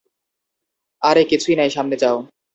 আরে, কিছুই নাই, সামনে যাও।